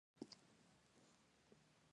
د انار دانه د څه لپاره وکاروم؟